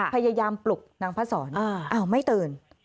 พยายามปลุกนางพระสอนอ้าวไม่ตื่น